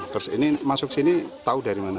terus ini masuk sini tahu dari mana